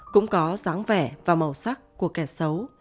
cũng có dáng vẻ và màu sắc của kẻ xấu